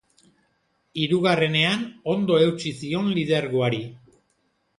Hirugarrenean ondo eutsi zion lidergoari.